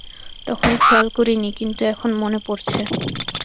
তখন খেয়াল করিনি কিন্তু এখন মনে পড়ছে।